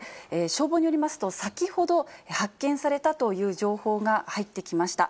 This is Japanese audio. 消防によりますと、先ほど、発見されたという情報が入ってきました。